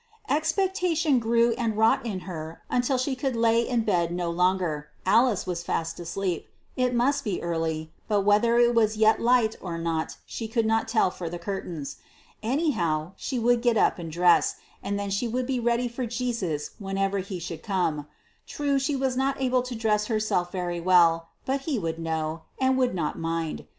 Expectation grew and wrought in her until she could lie in bed no longer. Alice was fast asleep. It must be early, but whether it was yet light or not she could not tell for the curtains. Anyhow she would get up and dress, and then she would be ready for Jesus whenever he should come. True, she was not able to dress herself very well, but he would know, and would not mind.